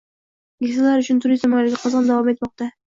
“Keksalar uchun turizm oyligi” qizg‘in davom etmoqdang